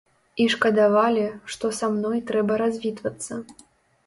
І шкадавалі, што са мной трэба развітвацца.